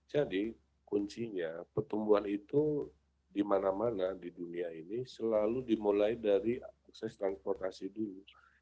jadi kuncinya pertumbuhan itu di mana mana di dunia ini selalu dimulai dari akses transportasi dulu